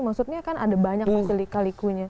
maksudnya kan ada banyak lika likunya